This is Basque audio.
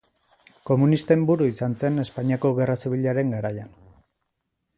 Komunisten buru izan zen Espainiako Gerra Zibilaren garaian.